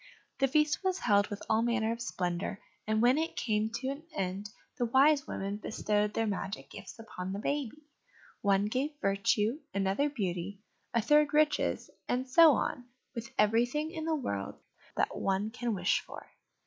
The feast was held with all manner of splendour and when it came to an end the Wise Women bestowed their magic gifts upon the baby: one gave virtue, another beauty, a third riches, and so on with everything in the world that one can wish for.